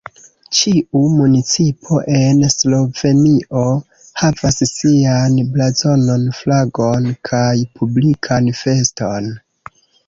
Ĉiu municipo en Slovenio havas sian blazonon, flagon kaj publikan feston.